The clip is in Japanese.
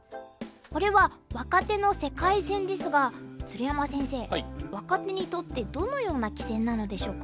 これは若手の世界戦ですが鶴山先生若手にとってどのような棋戦なのでしょうか？